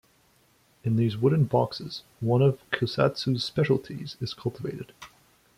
In these wooden boxes one of Kusatsu's specialties is cultivated.